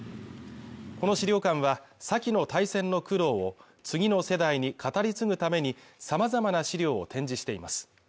この資料館は先の大戦の苦労を次の世代に語り継ぐためにさまざまな資料を展示しています